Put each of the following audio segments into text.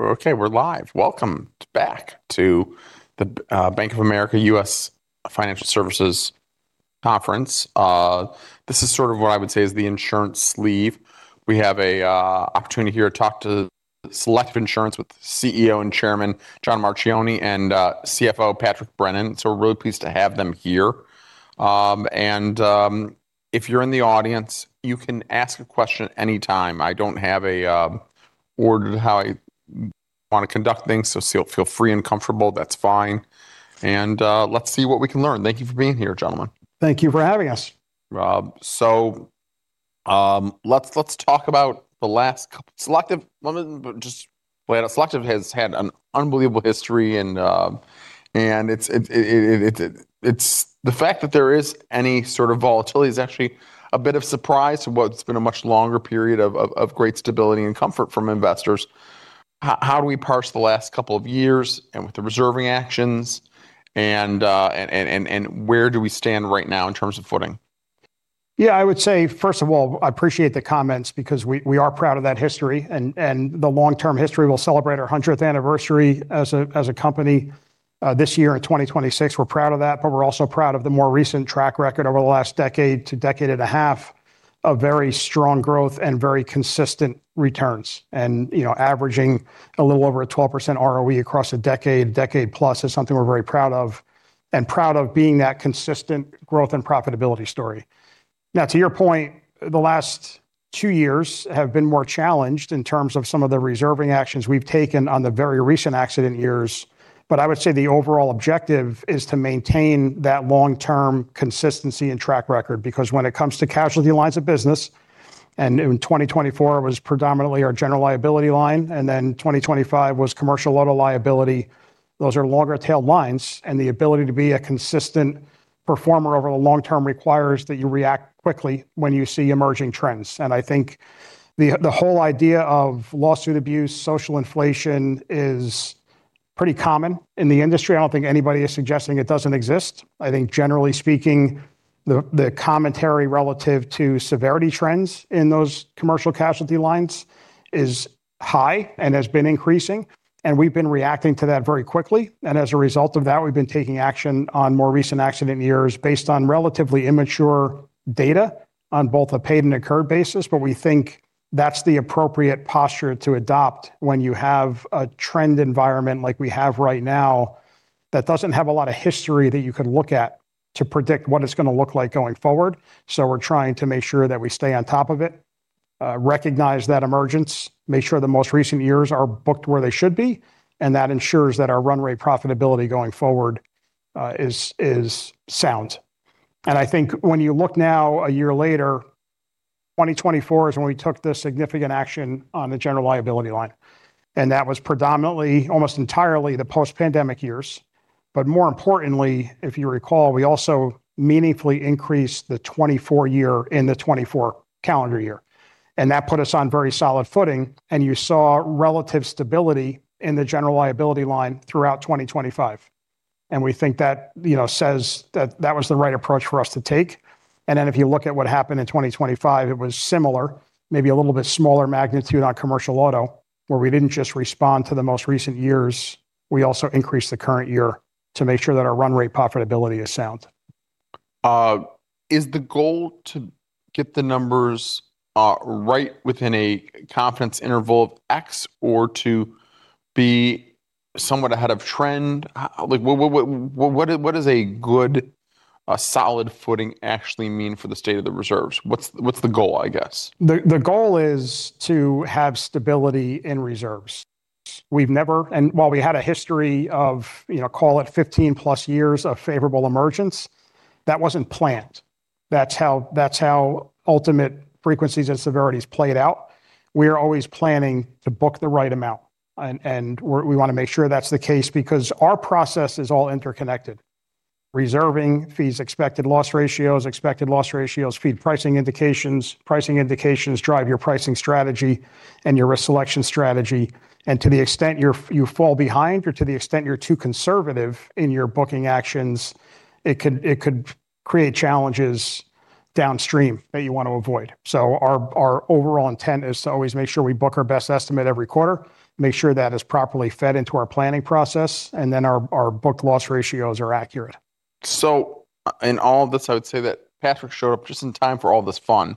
Okay, we're live. Welcome back to the Bank of America U.S. Financial Services Conference. This is sort of what I would say is the insurance sleeve. We have an opportunity here to talk to Selective Insurance with CEO and Chairman John Marchioni and CFO Patrick Brennan. So we're really pleased to have them here. And if you're in the audience, you can ask a question at any time. I don't have an order to how I want to conduct things, so feel free and comfortable. That's fine. And let's see what we can learn. Thank you for being here, gentlemen. Thank you for having us. Let's talk about the last couple of Selective. Let me just lay it out. Selective has had an unbelievable history. The fact that there is any sort of volatility is actually a bit of surprise to what's been a much longer period of great stability and comfort from investors. How do we parse the last couple of years and with the reserving actions? Where do we stand right now in terms of footing? Yeah, I would say, first of all, I appreciate the comments because we are proud of that history. And the long-term history will celebrate our 100th anniversary as a company this year in 2026. We're proud of that. But we're also proud of the more recent track record over the last decade to decade and a half of very strong growth and very consistent returns, and averaging a little over a 12% ROE across a decade, decade plus, is something we're very proud of and proud of being that consistent growth and profitability story. Now, to your point, the last two years have been more challenged in terms of some of the reserving actions we've taken on the very recent accident years. But I would say the overall objective is to maintain that long-term consistency and track record. Because when it comes to casualty lines of business, and in 2024 it was predominantly our General Liability line, and then 2025 was Commercial Auto Liability, those are longer-tailed lines. And the ability to be a consistent performer over the long term requires that you react quickly when you see emerging trends. And I think the whole idea of lawsuit abuse, social inflation is pretty common in the industry. I don't think anybody is suggesting it doesn't exist. I think, generally speaking, the commentary relative to severity trends in those commercial casualty lines is high and has been increasing. And we've been reacting to that very quickly. And as a result of that, we've been taking action on more recent accident years based on relatively immature data on both a paid and a incurred basis. We think that's the appropriate posture to adopt when you have a trend environment like we have right now that doesn't have a lot of history that you could look at to predict what it's going to look like going forward. We're trying to make sure that we stay on top of it, recognize that emergence, make sure the most recent years are booked where they should be. That ensures that our run rate profitability going forward is sound. I think when you look now a year later, 2024 is when we took this significant action on General Liability line. That was predominantly, almost entirely the post-pandemic years. More importantly, if you recall, we also meaningfully increased the 2024-year in the 2024 calendar year. That put us on very solid footing. You saw relative stability in General Liability line throughout 2025. We think that says that that was the right approach for us to take. Then if you look at what happened in 2025, it was similar, maybe a little bit smaller magnitude Commercial Auto, where we didn't just respond to the most recent years. We also increased the current year to make sure that our run rate profitability is sound. Is the goal to get the numbers right within a confidence interval of X or to be somewhat ahead of trend? What does a good, solid footing actually mean for the state of the reserves? What's the goal, I guess? The goal is to have stability in reserves. And while we had a history of, call it, 15+ years of favorable emergence, that wasn't planned. That's how ultimate frequencies and severities played out. We are always planning to book the right amount. And we want to make sure that's the case. Because our process is all interconnected: reserving, fees expected, loss ratios, expected loss ratios, feed pricing indications. Pricing indications drive your pricing strategy and your risk selection strategy. And to the extent you fall behind or to the extent you're too conservative in your booking actions, it could create challenges downstream that you want to avoid. So our overall intent is to always make sure we book our best estimate every quarter, make sure that is properly fed into our planning process, and then our booked loss ratios are accurate. So in all of this, I would say that Patrick showed up just in time for all this fun.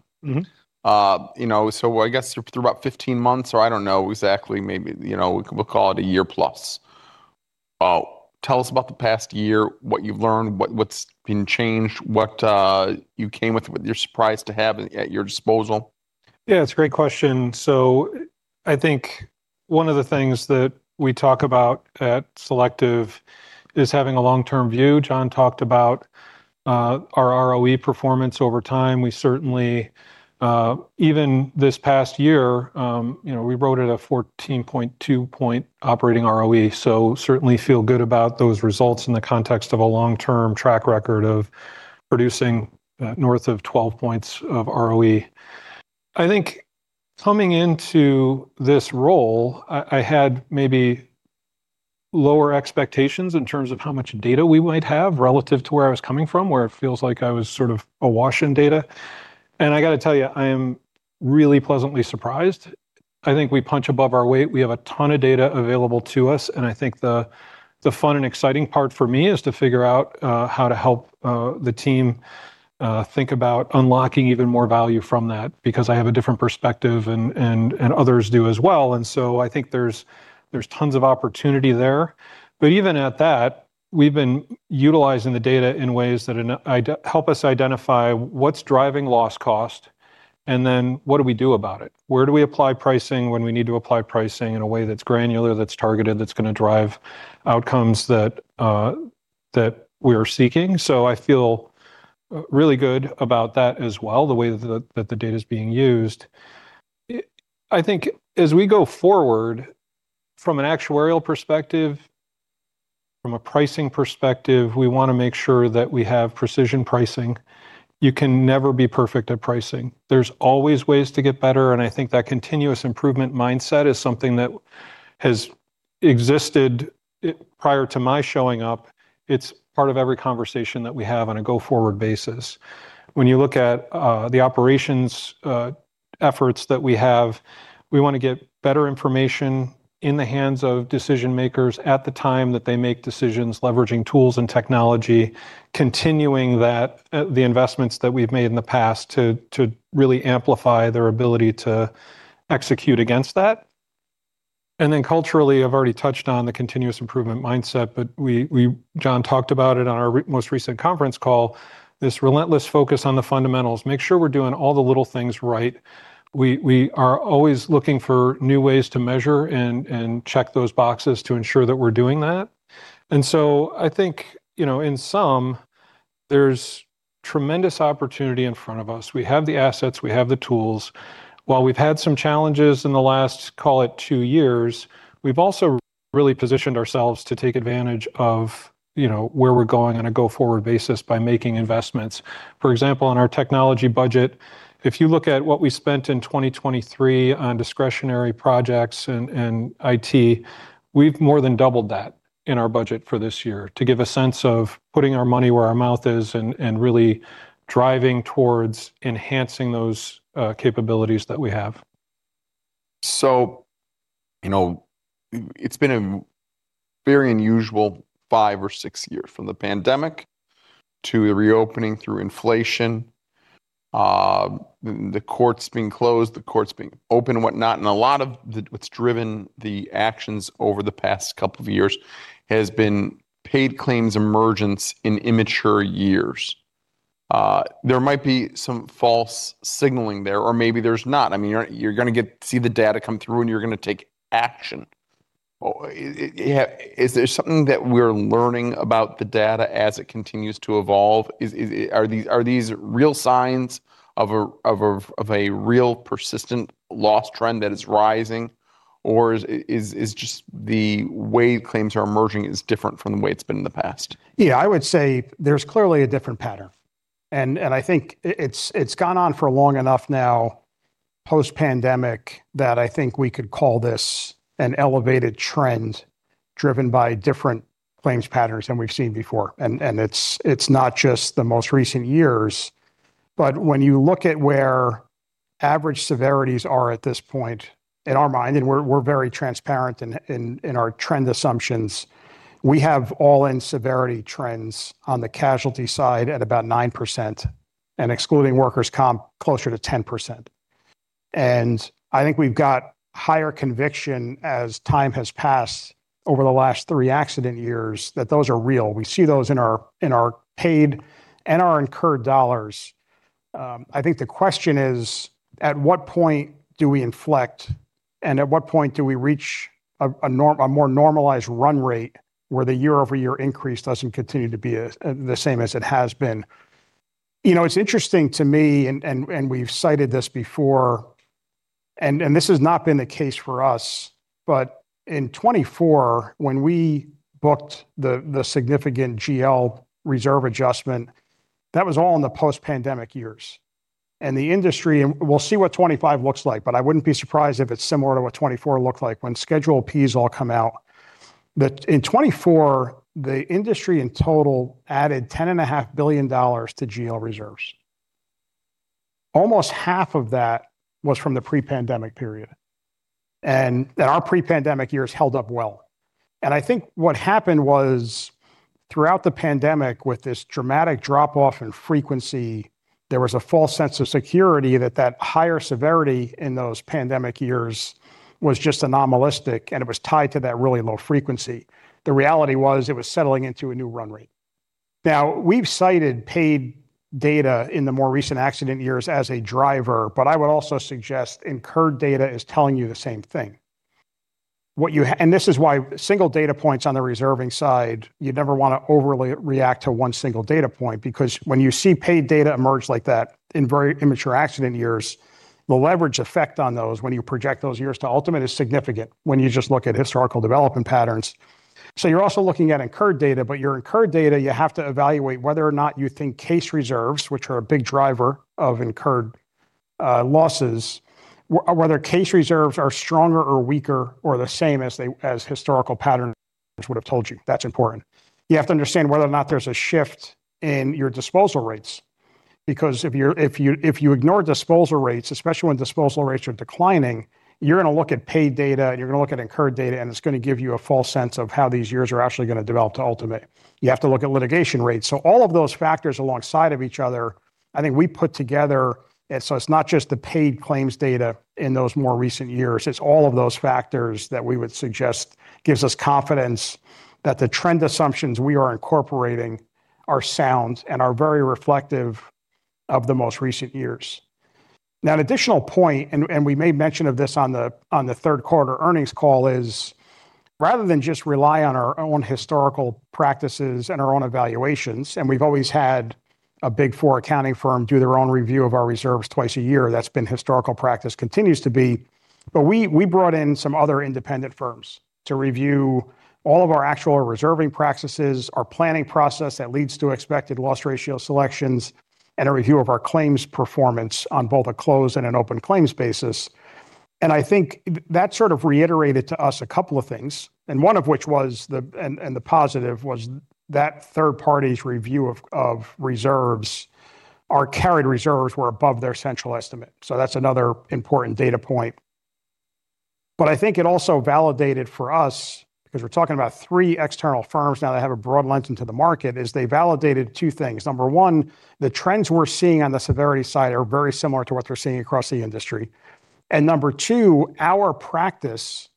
So I guess through about 15 months or I don't know exactly, maybe we'll call it a year plus. Tell us about the past year, what you've learned, what's been changed, what you came with, what you're surprised to have at your disposal. Yeah, it's a great question. So I think one of the things that we talk about at Selective is having a long-term view. John talked about our ROE performance over time. Even this past year, we wrote at a 14.2-point operating ROE. So certainly feel good about those results in the context of a long-term track record of producing north of 12 points of ROE. I think coming into this role, I had maybe lower expectations in terms of how much data we might have relative to where I was coming from, where it feels like I was sort of awash in data. And I got to tell you, I am really pleasantly surprised. I think we punch above our weight. We have a ton of data available to us. I think the fun and exciting part for me is to figure out how to help the team think about unlocking even more value from that. Because I have a different perspective, and others do as well. I think there's tons of opportunity there. But even at that, we've been utilizing the data in ways that help us identify what's driving loss cost, and then what do we do about it? Where do we apply pricing when we need to apply pricing in a way that's granular, that's targeted, that's going to drive outcomes that we are seeking? I feel really good about that as well, the way that the data is being used. I think as we go forward, from an actuarial perspective, from a pricing perspective, we want to make sure that we have precision pricing. You can never be perfect at pricing. There's always ways to get better. I think that continuous improvement mindset is something that has existed prior to my showing up. It's part of every conversation that we have on a go-forward basis. When you look at the operations efforts that we have, we want to get better information in the hands of decision makers at the time that they make decisions, leveraging tools and technology, continuing the investments that we've made in the past to really amplify their ability to execute against that. Then culturally, I've already touched on the continuous improvement mindset. John talked about it on our most recent conference call, this relentless focus on the fundamentals. Make sure we're doing all the little things right. We are always looking for new ways to measure and check those boxes to ensure that we're doing that. And so I think in sum, there's tremendous opportunity in front of us. We have the assets. We have the tools. While we've had some challenges in the last, call it, two years, we've also really positioned ourselves to take advantage of where we're going on a go-forward basis by making investments. For example, in our technology budget, if you look at what we spent in 2023 on discretionary projects and IT, we've more than doubled that in our budget for this year to give a sense of putting our money where our mouth is and really driving towards enhancing those capabilities that we have. So it's been a very unusual five or six years, from the pandemic to the reopening through inflation, the courts being closed, the courts being open, whatnot. And a lot of what's driven the actions over the past couple of years has been paid claims emergence in immature years. There might be some false signaling there, or maybe there's not. I mean, you're going to see the data come through, and you're going to take action. Is there something that we're learning about the data as it continues to evolve? Are these real signs of a real persistent loss trend that is rising? Or is just the way claims are emerging different from the way it's been in the past? Yeah, I would say there's clearly a different pattern. And I think it's gone on for long enough now, post-pandemic, that I think we could call this an elevated trend driven by different claims patterns than we've seen before. And it's not just the most recent years. But when you look at where average severities are at this point, in our mind, and we're very transparent in our trend assumptions, we have all-in severity trends on the casualty side at about 9%, and excluding workers' comp, closer to 10%. And I think we've got higher conviction as time has passed over the last three accident years that those are real. We see those in our paid and our incurred dollars. I think the question is, at what point do we inflect? At what point do we reach a more normalized run rate where the year-over-year increase doesn't continue to be the same as it has been? It's interesting to me, and we've cited this before, and this has not been the case for us. But in 2024, when we booked the significant GL reserve adjustment, that was all in the post-pandemic years. The industry, and we'll see what 2025 looks like. But I wouldn't be surprised if it's similar to what 2024 looked like when Schedule Ps all come out. In 2024, the industry in total added $10.5 billion to GL reserves. Almost half of that was from the pre-pandemic period. Our pre-pandemic years held up well. I think what happened was, throughout the pandemic, with this dramatic drop-off in frequency, there was a false sense of security that that higher severity in those pandemic years was just anomalistic, and it was tied to that really low frequency. The reality was it was settling into a new run rate. Now, we've cited paid data in the more recent accident years as a driver. I would also suggest incurred data is telling you the same thing. This is why single data points on the reserving side, you never want to overly react to one single data point. Because when you see paid data emerge like that in very immature accident years, the leverage effect on those when you project those years to ultimate is significant when you just look at historical development patterns. You're also looking at incurred data. But your incurred data, you have to evaluate whether or not you think case reserves, which are a big driver of incurred losses, whether case reserves are stronger or weaker or the same as historical patterns would have told you. That's important. You have to understand whether or not there's a shift in your disposal rates. Because if you ignore disposal rates, especially when disposal rates are declining, you're going to look at paid data, and you're going to look at incurred data. And it's going to give you a false sense of how these years are actually going to develop to ultimate. You have to look at litigation rates. So all of those factors alongside of each other, I think we put together, so it's not just the paid claims data in those more recent years. It's all of those factors that we would suggest gives us confidence that the trend assumptions we are incorporating are sound and are very reflective of the most recent years. Now, an additional point, and we may mention this on the third quarter earnings call, is rather than just rely on our own historical practices and our own evaluations, and we've always had a Big Four accounting firm do their own review of our reserves twice a year. That's been historical practice, continues to be. But we brought in some other independent firms to review all of our actual reserving practices, our planning process that leads to expected loss ratio selections, and a review of our claims performance on both a closed and an open claims basis. And I think that sort of reiterated to us a couple of things. One of which was the positive was that third-party's review of reserves, our carried reserves, were above their central estimate. So that's another important data point. But I think it also validated for us because we're talking about three external firms now that have a broad lens into the market is they validated two things. Number one, the trends we're seeing on the severity side are very similar to what they're seeing across the industry. And number two, our practice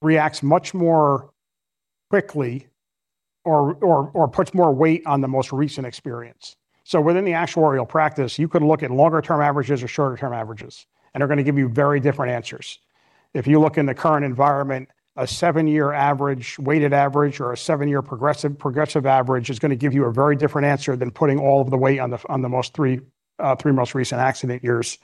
reacts much more quickly or puts more weight on the most recent experience. So within the actuarial practice, you could look at longer-term averages or shorter-term averages, and they're going to give you very different answers. If you look in the current environment, a seven-year average, weighted average, or a seven-year progressive average is going to give you a very different answer than putting all of the weight on the most three most recent accident years.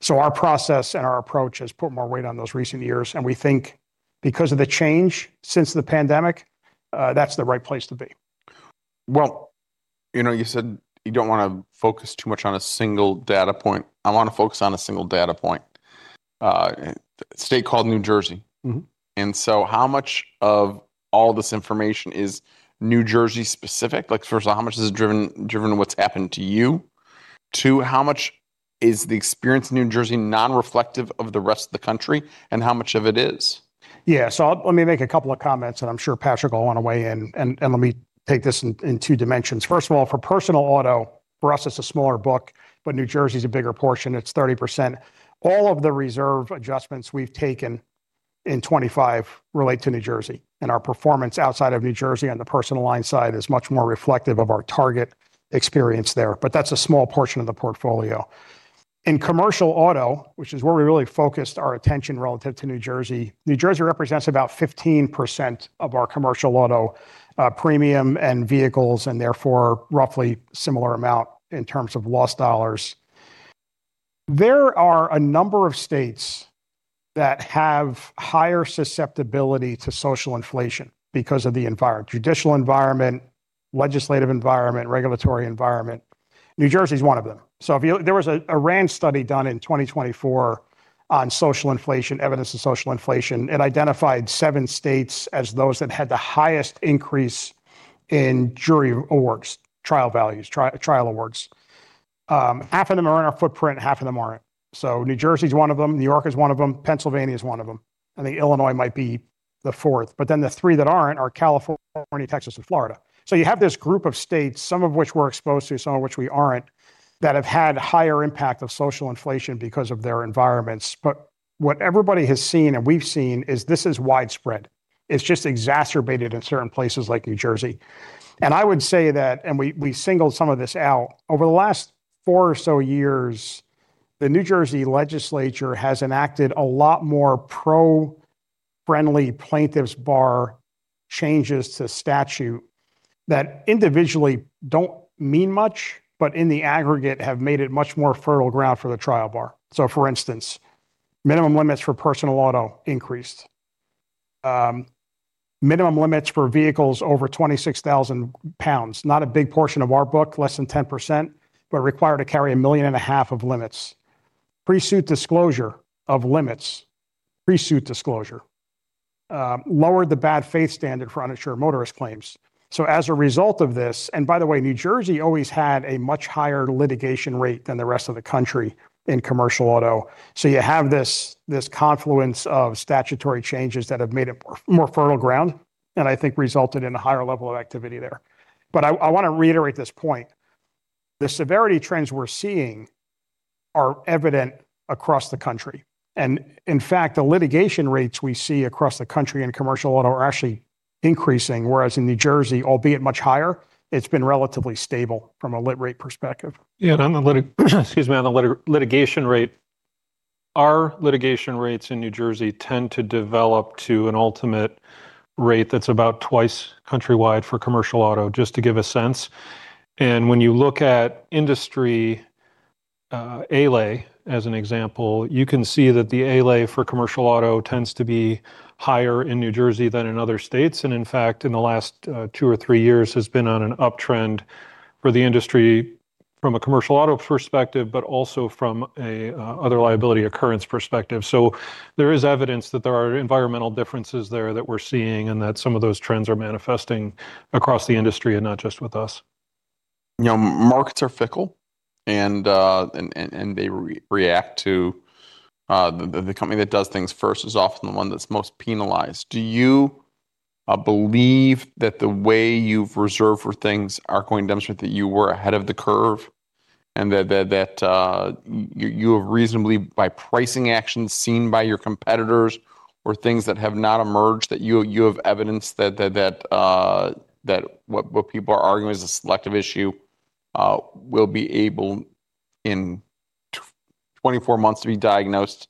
So our process and our approach has put more weight on those recent years. And we think because of the change since the pandemic, that's the right place to be. Well, you said you don't want to focus too much on a single data point. I want to focus on a single data point. State called New Jersey. And so how much of all this information is New Jersey specific? First of all, how much is it driven what's happened to you? Two, how much is the experience in New Jersey non-reflective of the rest of the country? And how much of it is? Yeah, so let me make a couple of comments. I'm sure Patrick will want to weigh in. Let me take this in two dimensions. First of all, for personal auto, for us, it's a smaller book. New Jersey is a bigger portion. It's 30%. All of the reserve adjustments we've taken in 2025 relate to New Jersey. Our performance outside of New Jersey on the Personal Line side is much more reflective of our target experience there. That's a small portion of the portfolio. In Commercial Auto, which is where we really focused our attention relative to New Jersey, New Jersey represents about 15% of our Commercial Auto premium and vehicles, and therefore roughly a similar amount in terms of loss dollars. There are a number of states that have higher susceptibility to social inflation because of the environment, judicial environment, legislative environment, regulatory environment. New Jersey is one of them. So there was a RAND study done in 2024 on social inflation, evidence of social inflation. It identified seven states as those that had the highest increase in jury awards, trial values, trial awards. Half of them are in our footprint, half of them aren't. So New Jersey is one of them. New York is one of them. Pennsylvania is one of them. I think Illinois might be the fourth. But then the three that aren't are California, Texas, and Florida. So you have this group of states, some of which we're exposed to, some of which we aren't, that have had higher impact of social inflation because of their environments. But what everybody has seen and we've seen is this is widespread. It's just exacerbated in certain places like New Jersey. I would say that we singled some of this out over the last four or so years. The New Jersey legislature has enacted a lot more pro-friendly plaintiffs' bar changes to statute that individually don't mean much, but in the aggregate have made it much more fertile ground for the trial bar. So for instance, minimum limits for personal auto increased, minimum limits for vehicles over 26,000 lb, not a big portion of our book, less than 10%, but required to carry $1.5 million of limits, pre-suit disclosure of limits, pre-suit disclosure, lowered the bad faith standard for uninsured motorist claims. So as a result of this and by the way, New Jersey always had a much higher litigation rate than the rest of the country in Commercial Auto. So you have this confluence of statutory changes that have made it more fertile ground and I think resulted in a higher level of activity there. But I want to reiterate this point. The severity trends we're seeing are evident across the country. And in fact, the litigation rates we see across the country Commercial Auto are actually increasing. Whereas in New Jersey, albeit much higher, it's been relatively stable from a lit rate perspective. Yeah, and on the litigation rate, our litigation rates in New Jersey tend to develop to an ultimate rate that's about twice countrywide for Commercial Auto, just to give a sense. And when you look at industry ALAE as an example, you can see that the ALAE for Commercial Auto tends to be higher in New Jersey than in other states. And in fact, in the last two or three years, has been on an uptrend for the industry from a Commercial Auto perspective, but also from another liability occurrence perspective. So there is evidence that there are environmental differences there that we're seeing and that some of those trends are manifesting across the industry and not just with us. Markets are fickle. They react to the company that does things first is often the one that's most penalized. Do you believe that the way you've reserved for things are going to demonstrate that you were ahead of the curve and that you have reasonably, by pricing actions seen by your competitors or things that have not emerged, that you have evidence that what people are arguing is a selective issue, will be able in 24 months to be diagnosed,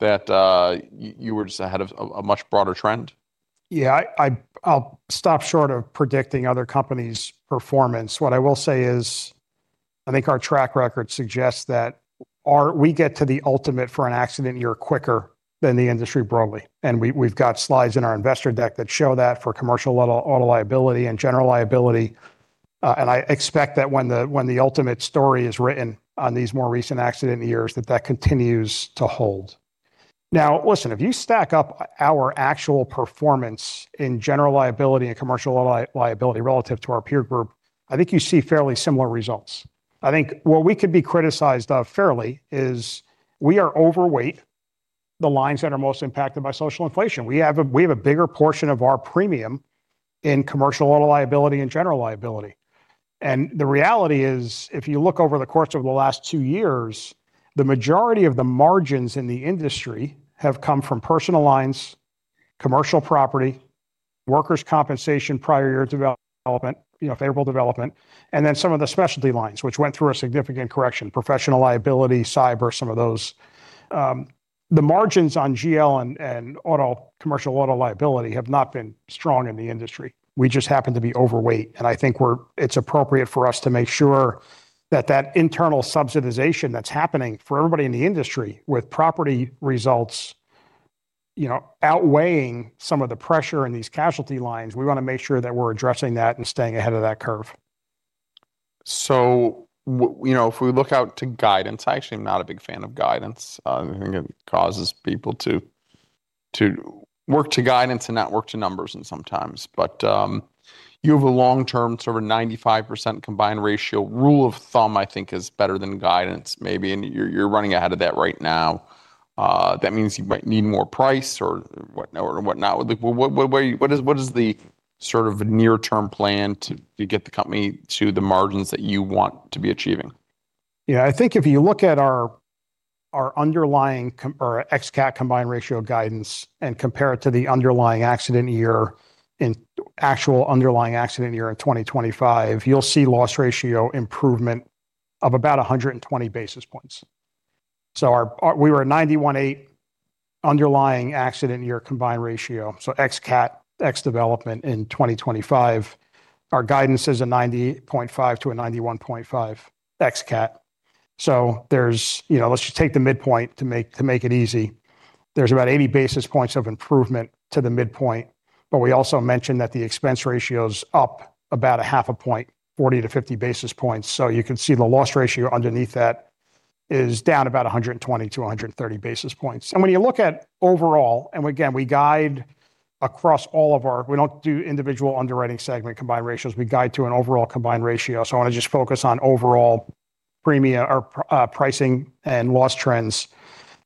that you were just ahead of a much broader trend? Yeah, I'll stop short of predicting other companies' performance. What I will say is I think our track record suggests that we get to the ultimate for an Accident Year quicker than the industry broadly. We've got slides in our investor deck that show that General Liability. I expect that when the ultimate story is written on these more recent Accident Years, that that continues to hold. Now, listen, if you stack up our General Liability and Commercial Auto Liability relative to our peer group, I think you see fairly similar results. I think what we could be criticized of fairly is we are overweight the lines that are most impacted by social inflation. We have a bigger portion of our premium Commercial Auto Liability and General Liability. The reality is, if you look over the course of the last two years, the majority of the margins in the industry have come from Personal Lines, commercial property, workers' compensation prior year development, favorable development, and then some of the specialty lines, which went through a significant correction, professional liability, cyber, some of those. The margins on GL and Commercial Auto Liability have not been strong in the industry. We just happen to be overweight. I think it's appropriate for us to make sure that that internal subsidization that's happening for everybody in the industry with property results outweighing some of the pressure in these casualty lines, we want to make sure that we're addressing that and staying ahead of that curve. So if we look out to guidance, I actually am not a big fan of guidance. I think it causes people to work to guidance and not work to numbers sometimes. But you have a long-term sort of 95% combined ratio. Rule of thumb, I think, is better than guidance, maybe. And you're running ahead of that right now. That means you might need more price or whatnot. What is the sort of near-term plan to get the company to the margins that you want to be achieving? Yeah, I think if you look at our underlying or ex-cat combined ratio guidance and compare it to the underlying accident year in actual underlying accident year in 2025, you'll see loss ratio improvement of about 120 basis points. So we were at 91.8 underlying accident year combined ratio. So ex-cat, ex-development in 2025, our guidance is a 90.5-91.5 ex-cat. So let's just take the midpoint to make it easy. There's about 80 basis points of improvement to the midpoint. But we also mentioned that the expense ratio is up about a half a point, 40 to 50 basis points. So you can see the loss ratio underneath that is down about 120 to 130 basis points. When you look at overall and again, we guide across all of our, we don't do individual underwriting segment combined ratios. We guide to an overall combined ratio. So I want to just focus on overall pricing and loss trends.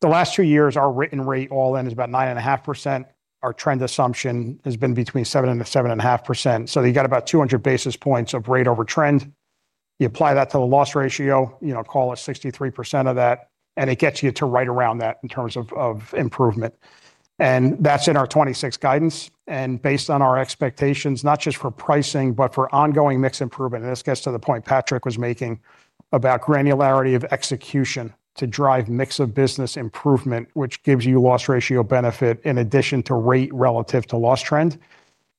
The last two years, our written rate all in is about 9.5%. Our trend assumption has been between 7%-7.5%. So you got about 200 basis points of rate over trend. You apply that to the loss ratio, call it 63% of that. And it gets you to right around that in terms of improvement. And that's in our 2026 guidance. And based on our expectations, not just for pricing, but for ongoing mix improvement. And this gets to the point Patrick was making about granularity of execution to drive mix of business improvement, which gives you loss ratio benefit in addition to rate relative to loss trend.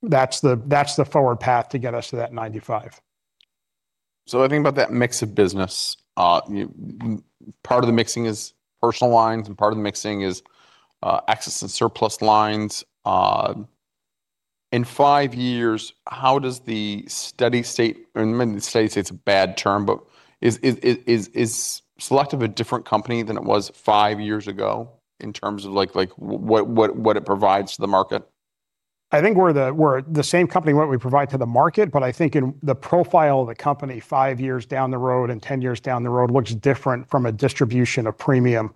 That's the forward path to get us to that 95. I think about that mix of business, part of the mixing is Personal Lines. Part of the mixing is Excess and Surplus Lines. In five years, how does the steady state and steady state's a bad term, but is Selective a different company than it was five years ago in terms of what it provides to the market? I think we're the same company, what we provide to the market. But I think in the profile of the company five years down the road and 10 years down the road looks different from a distribution of premium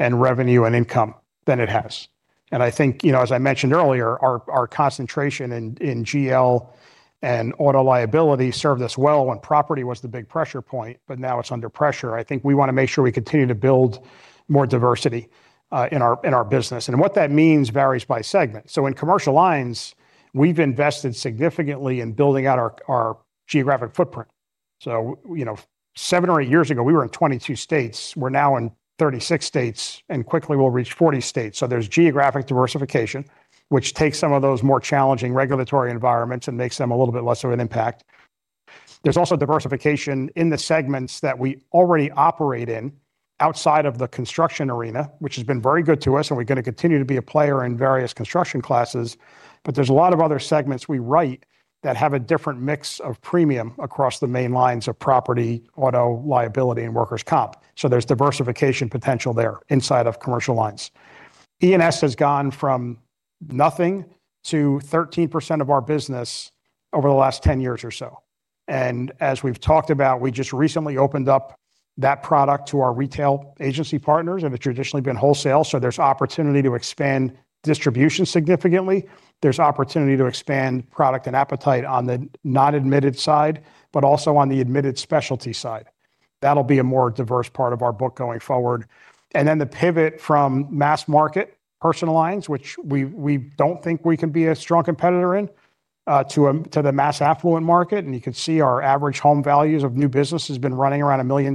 and revenue and income than it has. And I think, as I mentioned earlier, our concentration in GL and auto liability served us well when property was the big pressure point. But now it's under pressure. I think we want to make sure we continue to build more diversity in our business. And what that means varies by segment. So in commercial lines, we've invested significantly in building out our geographic footprint. So seven or eight years ago, we were in 22 states. We're now in 36 states. And quickly, we'll reach 40 states. So there's geographic diversification, which takes some of those more challenging regulatory environments and makes them a little bit less of an impact. There's also diversification in the segments that we already operate in outside of the construction arena, which has been very good to us. And we're going to continue to be a player in various construction classes. But there's a lot of other segments we write that have a different mix of premium across the main lines of property, auto liability, and workers' comp. So there's diversification potential there inside of commercial lines. E&S has gone from nothing to 13% of our business over the last 10 years or so. And as we've talked about, we just recently opened up that product to our retail agency partners. And it's traditionally been wholesale. So there's opportunity to expand distribution significantly. There's opportunity to expand product and appetite on the non-admitted side, but also on the admitted specialty side. That'll be a more diverse part of our book going forward. And then the pivot from mass market, Personal Lines, which we don't think we can be a strong competitor in, to the mass affluent market. And you can see our average home values of new business has been running around $1 million.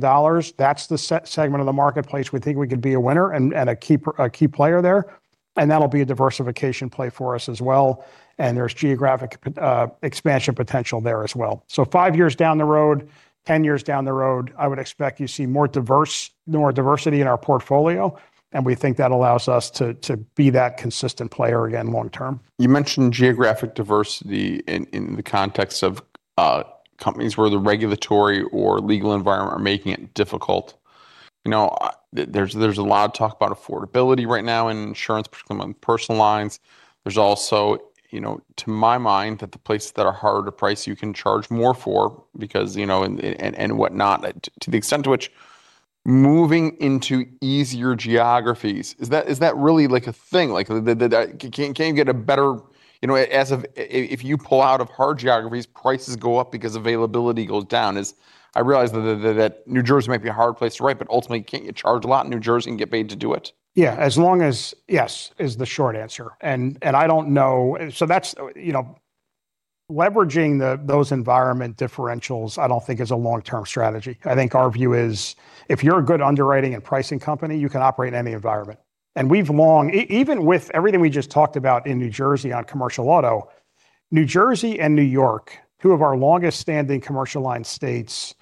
That's the segment of the marketplace we think we could be a winner and a key player there. And that'll be a diversification play for us as well. And there's geographic expansion potential there as well. So five years down the road, 10 years down the road, I would expect you see more diversity in our portfolio. And we think that allows us to be that consistent player again long term. You mentioned geographic diversity in the context of companies where the regulatory or legal environment are making it difficult. There's a lot of talk about affordability right now in insurance, particularly among Personal Lines. There's also, to my mind, that the places that are harder to price, you can charge more for because and whatnot, to the extent to which moving into easier geographies, is that really like a thing? Can you get a better as of if you pull out of hard geographies, prices go up because availability goes down? I realize that New Jersey might be a hard place to write. But ultimately, can't you charge a lot in New Jersey and get paid to do it? Yeah, as long as yes is the short answer. And I don't know. So leveraging those environment differentials, I don't think, is a long-term strategy. I think our view is if you're a good underwriting and pricing company, you can operate in any environment. And we've long even with everything we just talked about in New Jersey Commercial Auto, New Jersey and New York, two of our longest standing Commercial Lines states,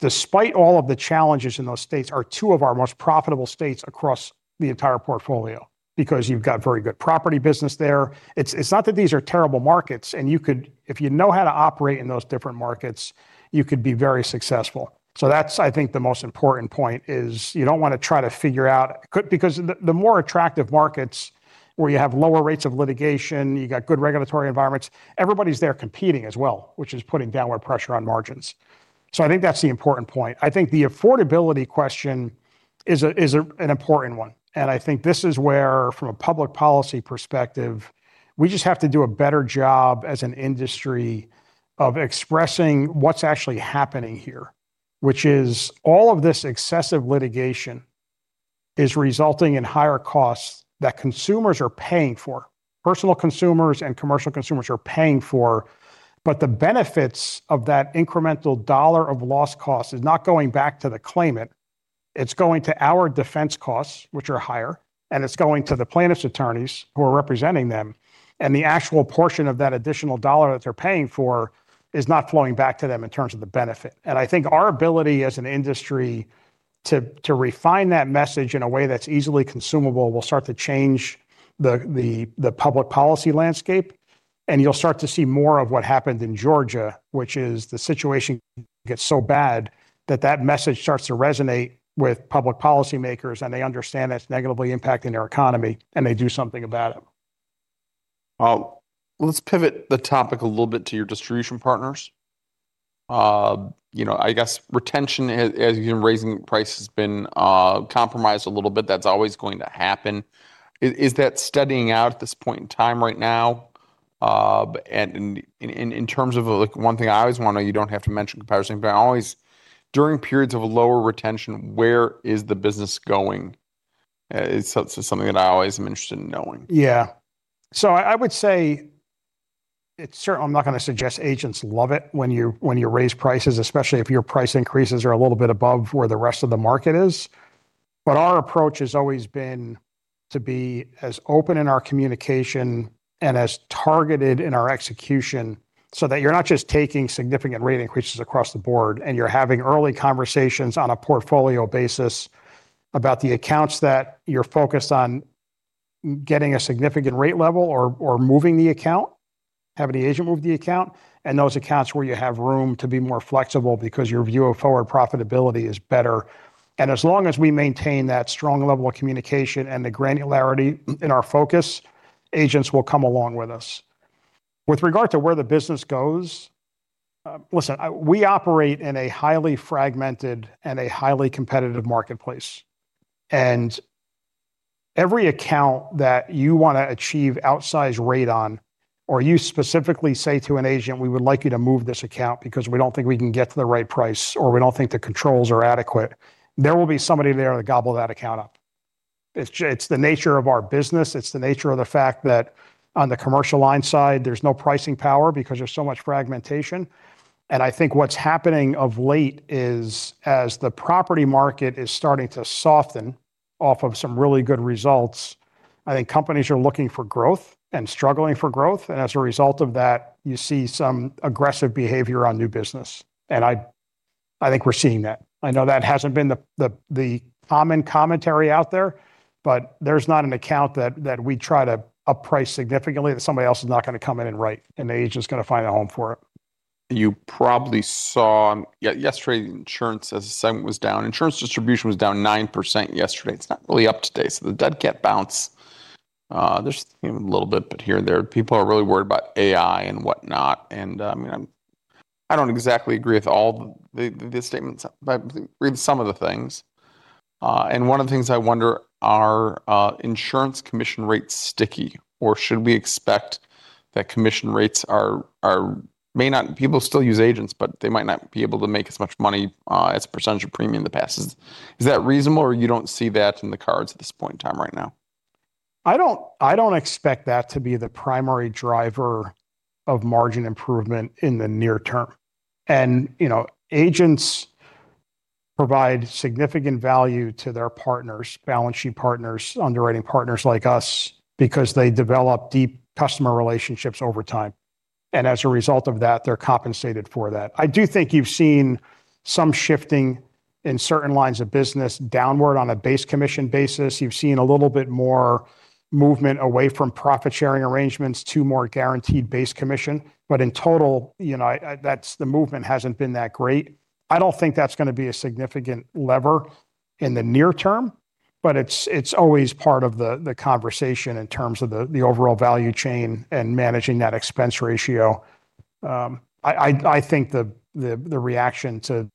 despite all of the challenges in those states, are two of our most profitable states across the entire portfolio because you've got very good property business there. It's not that these are terrible markets. And if you know how to operate in those different markets, you could be very successful. So that's, I think, the most important point is you don't want to try to figure out because the more attractive markets where you have lower rates of litigation, you got good regulatory environments, everybody's there competing as well, which is putting downward pressure on margins. So I think that's the important point. I think the affordability question is an important one. And I think this is where, from a public policy perspective, we just have to do a better job as an industry of expressing what's actually happening here, which is all of this excessive litigation is resulting in higher costs that consumers are paying for, personal consumers and commercial consumers are paying for. But the benefits of that incremental dollar of loss cost is not going back to the claimant. It's going to our defense costs, which are higher. It's going to the plaintiff's attorneys who are representing them. The actual portion of that additional dollar that they're paying for is not flowing back to them in terms of the benefit. I think our ability as an industry to refine that message in a way that's easily consumable will start to change the public policy landscape. You'll start to see more of what happened in Georgia, which is the situation gets so bad that that message starts to resonate with public policymakers. They understand that's negatively impacting their economy. They do something about it. Let's pivot the topic a little bit to your distribution partners. I guess retention, as you've been raising prices, has been compromised a little bit. That's always going to happen. Is that steadying out at this point in time right now? And in terms of one thing I always want to know, you don't have to mention comparison, but I always during periods of lower retention, where is the business going? It's something that I always am interested in knowing. Yeah, so I would say it's certainly. I'm not going to suggest agents love it when you raise prices, especially if your price increases are a little bit above where the rest of the market is. But our approach has always been to be as open in our communication and as targeted in our execution so that you're not just taking significant rate increases across the board. And you're having early conversations on a portfolio basis about the accounts that you're focused on getting a significant rate level or moving the account, have any agent move the account, and those accounts where you have room to be more flexible because your view of forward profitability is better. And as long as we maintain that strong level of communication and the granularity in our focus, agents will come along with us. With regard to where the business goes, listen, we operate in a highly fragmented and a highly competitive marketplace. Every account that you want to achieve outsized rate on or you specifically say to an agent, we would like you to move this account because we don't think we can get to the right price or we don't think the controls are adequate, there will be somebody there to gobble that account up. It's the nature of our business. It's the nature of the fact that on the Commercial Lines side, there's no pricing power because there's so much fragmentation. I think what's happening of late is as the property market is starting to soften off of some really good results, I think companies are looking for growth and struggling for growth. As a result of that, you see some aggressive behavior on new business. I think we're seeing that. I know that hasn't been the common commentary out there. There's not an account that we try to up-price significantly that somebody else is not going to come in and write. The agent's going to find a home for it. You probably saw yesterday, insurance, as the segment was down, insurance distribution was down 9% yesterday. It's not really up today. So the dead cat bounce. There's a little bit, but here and there, people are really worried about AI and whatnot. And I don't exactly agree with all the statements, but I think some of the things. And one of the things I wonder, are insurance commission rates sticky? Or should we expect that commission rates may not people still use agents, but they might not be able to make as much money as a percentage of premium in the past? Is that reasonable? Or you don't see that in the cards at this point in time right now? I don't expect that to be the primary driver of margin improvement in the near term. Agents provide significant value to their partners, balance sheet partners, underwriting partners like us because they develop deep customer relationships over time. As a result of that, they're compensated for that. I do think you've seen some shifting in certain lines of business downward on a base commission basis. You've seen a little bit more movement away from profit sharing arrangements to more guaranteed base commission. In total, that's the movement hasn't been that great. I don't think that's going to be a significant lever in the near term. It's always part of the conversation in terms of the overall value chain and managing that expense ratio. I think the reaction to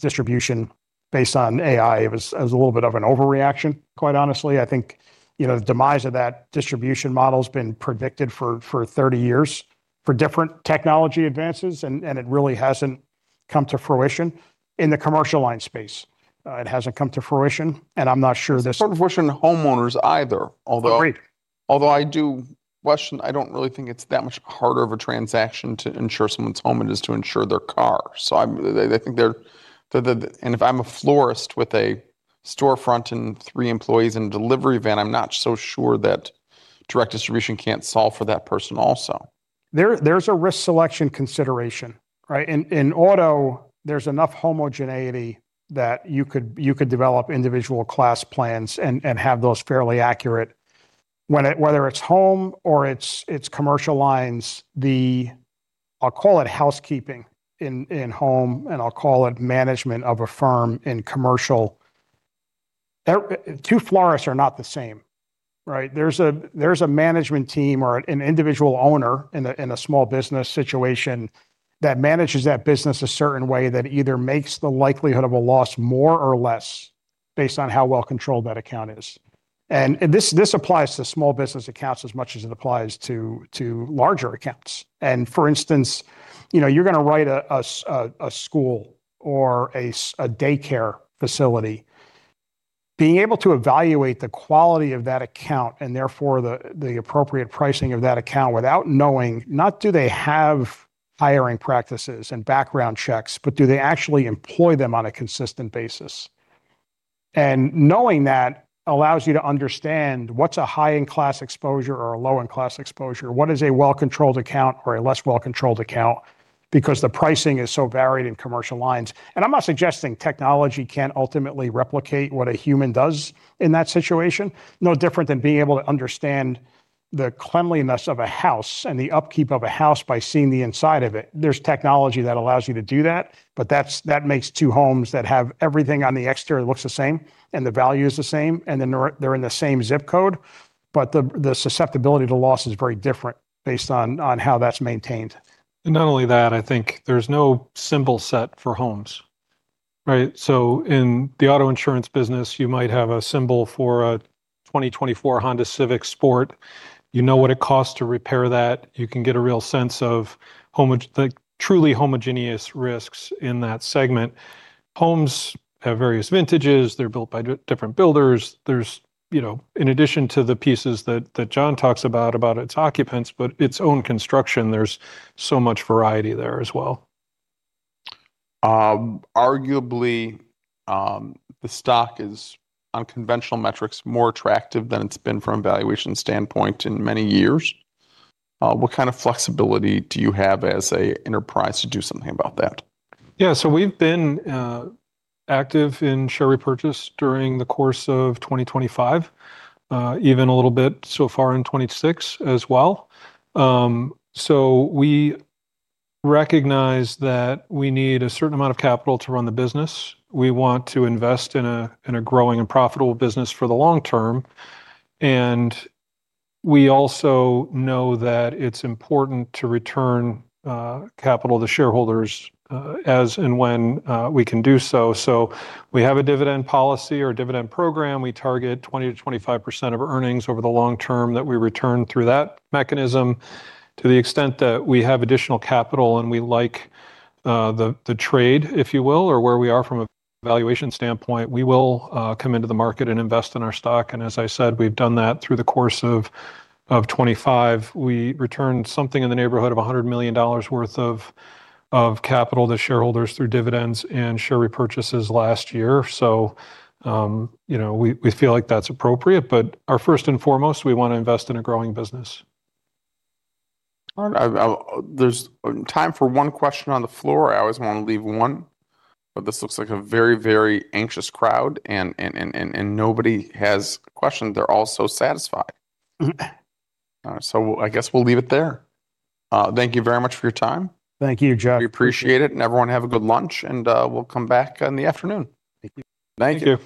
distribution based on AI was a little bit of an overreaction, quite honestly. I think the demise of that distribution model has been predicted for 30 years for different technology advances. It really hasn't come to fruition in the commercial lines space. It hasn't come to fruition. I'm not sure this. It's not for your homeowners either, although I do question, I don't really think it's that much harder of a transaction to insure someone's home than it is to insure their car. So I think there, and if I'm a florist with a storefront and three employees in a delivery van, I'm not so sure that direct distribution can't solve for that person also. There's a risk selection consideration. In auto, there's enough homogeneity that you could develop individual class plans and have those fairly accurate, whether it's home or it's commercial lines. I'll call it housekeeping in home. And I'll call it management of a firm in commercial. Two florists are not the same. There's a management team or an individual owner in a small business situation that manages that business a certain way that either makes the likelihood of a loss more or less based on how well controlled that account is. And this applies to small business accounts as much as it applies to larger accounts. For instance, you're going to write a school or a daycare facility, being able to evaluate the quality of that account and therefore the appropriate pricing of that account without knowing not do they have hiring practices and background checks, but do they actually employ them on a consistent basis? And knowing that allows you to understand what's a high-end class exposure or a low-end class exposure, what is a well-controlled account or a less well-controlled account because the pricing is so varied in commercial lines. And I'm not suggesting technology can't ultimately replicate what a human does in that situation, no different than being able to understand the cleanliness of a house and the upkeep of a house by seeing the inside of it. There's technology that allows you to do that. That makes two homes that have everything on the exterior that looks the same and the value is the same. Then they're in the same ZIP code. The susceptibility to loss is very different based on how that's maintained. Not only that, I think there's no symbol set for homes. So in the auto insurance business, you might have a symbol for a 2024 Honda Civic Sport. You know what it costs to repair that. You can get a real sense of truly homogeneous risks in that segment. Homes have various vintages. They're built by different builders. In addition to the pieces that John talks about, about its occupants, but its own construction, there's so much variety there as well. Arguably, the stock is, on conventional metrics, more attractive than it's been from a valuation standpoint in many years. What kind of flexibility do you have as an enterprise to do something about that? Yeah, so we've been active in share repurchase during the course of 2025, even a little bit so far in 2026 as well. We recognize that we need a certain amount of capital to run the business. We want to invest in a growing and profitable business for the long term. We also know that it's important to return capital to shareholders as and when we can do so. We have a dividend policy or dividend program. We target 20%-25% of earnings over the long term that we return through that mechanism to the extent that we have additional capital. We like the trade, if you will, or where we are from a valuation standpoint, we will come into the market and invest in our stock. As I said, we've done that through the course of 2025. We returned something in the neighborhood of $100 million worth of capital to shareholders through dividends and share repurchases last year. So we feel like that's appropriate. But our first and foremost, we want to invest in a growing business. All right, there's time for one question on the floor. I always want to leave one. But this looks like a very, very anxious crowd. Nobody has questions. They're all so satisfied. I guess we'll leave it there. Thank you very much for your time. Thank you, [Jeff]. We appreciate it. Everyone, have a good lunch. We'll come back in the afternoon. Thank you. Thank you.